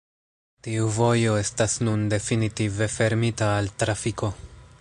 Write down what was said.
Tiu vojo estas nun definitive fermita al trafiko.